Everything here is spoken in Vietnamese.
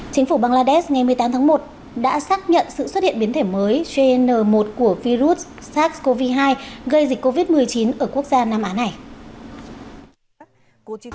chính phủ bangladesh ngày một mươi tám tháng một đã xác nhận sự xuất hiện biến thể mới jn một của virus sars cov hai gây dịch covid một mươi chín ở quốc gia nam á này